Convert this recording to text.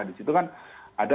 nah disitu kan ada